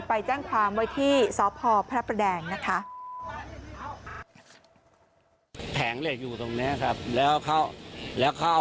ไปแจ้งความไว้ที่สพพระประแดงนะคะ